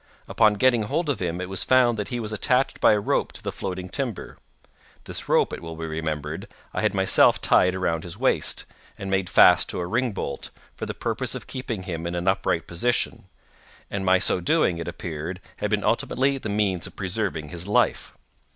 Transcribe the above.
Upon getting hold of him it was found that he was attached by a rope to the floating timber. This rope, it will be remembered, I had myself tied around his waist, and made fast to a ringbolt, for the purpose of keeping him in an upright position, and my so doing, it appeared, had been ultimately the means of preserving his life.